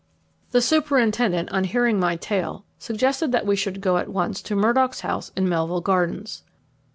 The superintendent, on hearing my tale, suggested that we should go at once to Murdock's house in Melville Gardens.